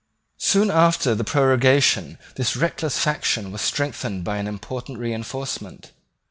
Soon after the prorogation this reckless faction was strengthened by an important reinforcement.